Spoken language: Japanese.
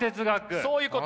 そういうことです。